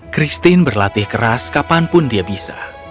christine berlatih keras kapanpun dia bisa